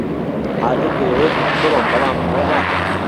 عادل دەیەوێت من بڕۆم، بەڵام ئەوە ناکەم.